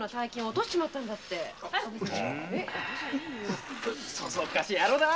そそっかしい野郎だな。